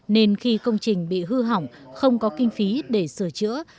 nên khi công trình bị hư hỏng không có kinh phí để sửa chữa